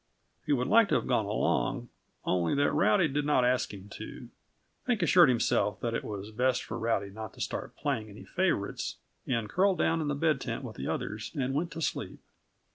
He would like to have gone along, only that Rowdy did not ask him to. Pink assured himself that it was best for Rowdy not to start playing any favorites, and curled down in the bed tent with the others and went to sleep.